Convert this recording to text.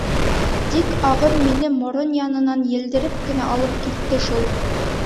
Тик ағым мине морон янынан елдереп кенә алып китте шул.